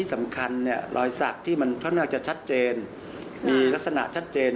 สำคัญเนี่ยรอยสักที่มันค่อนข้างจะชัดเจนมีลักษณะชัดเจน